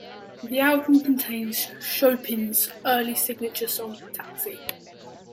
The album contains Chapin's early signature song Taxi.